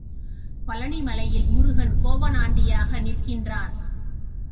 பழநிமலையில், முருகன் கோவணாண்டியாக நிற்கின்றான்.